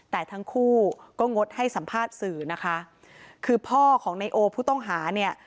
แต่ทั้งคู่ก็งดให้สัมภาษณ์สื่อนะคะคือพ่อของนายโอผู้ต้องหาเนี่ย